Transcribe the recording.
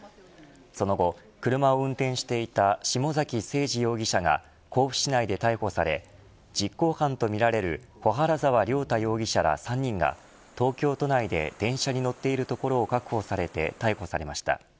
その後、車を運転していた下崎星児容疑者が甲府市内で逮捕され実行犯とみられる小原沢亮太容疑者ら３人が東京都内で電車に乗っている所確保されて逮捕されました。